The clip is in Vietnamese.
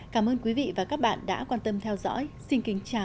cảm ơn quý vị và các bạn đã quan tâm theo dõi xin kính chào và hẹn gặp lại